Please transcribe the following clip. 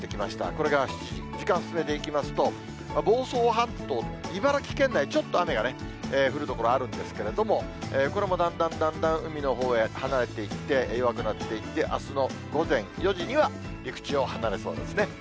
これが７時、時間進めていきますと、房総半島、茨城県内、ちょっと雨がね、降る所あるんですけれども、これもだんだんだんだん海のほうへ離れていって、弱くなっていって、あすの午前４時には、陸地を離れそうですね。